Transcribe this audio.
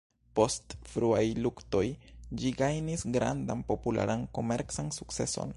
Post fruaj luktoj, ĝi gajnis grandan popularan komercan sukceson.